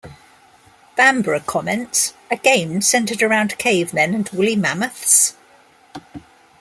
Bambra comments: A game centered around cavemen and woolly mammoths?